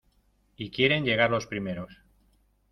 y quieren llegar los primeros.